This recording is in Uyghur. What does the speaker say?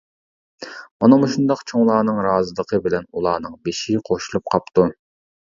مانا مۇشۇنداق چوڭلارنىڭ رازىلىقى بىلەن ئۇلارنىڭ بېشى قوشۇلۇپ قاپتۇ.